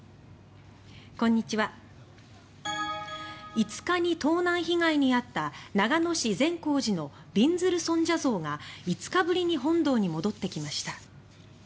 ５日に盗難被害に遭った長野市・善光寺のびんずる尊者像が５日ぶりに本堂に戻ってきました。